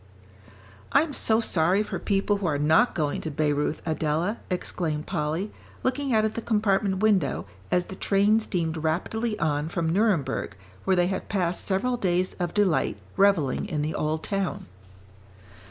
"I'm so sorry for people who are not going to Bayreuth, Adela!" exclaimed Polly, looking out of the compartment window, as the train steamed rapidly on from Nuremberg where they had passed several days of delight revelling in the old town.